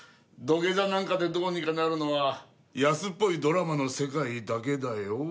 土下座なんかでどうにかなるのは安っぽいドラマの世界だけだよ。